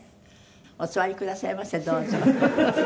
お座りくださいませどうぞ。